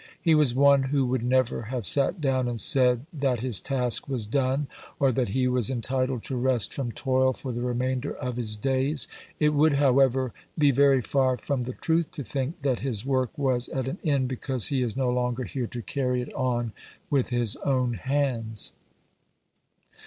He was one who would never have sate down and said that his task was done, or that he was entitled to rest from toil for the remainder of his days. It would, however, be very far from the truth to think that his work was at an end because he is no longer here to carry it on with his own hands.